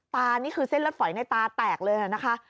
ตานี่คือเส้นรถฝอยในตาแตกเลยนะคะ